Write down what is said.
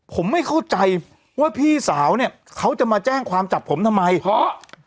ผมไม่เข้าใจว่าพี่สาวเนี่ยเขาจะมาแจ้งความจับผมทำไมเพราะ